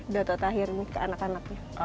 dato' tahir ke anak anaknya